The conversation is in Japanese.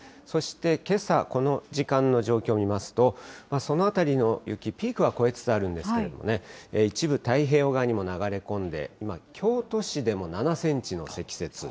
そしてけさ、この時間の状況を見ますと、その辺りの雪、ピークは越えつつあるんですけれどもね、一部、太平洋側にも流れ込んで、今、京都市でも７センチの積雪。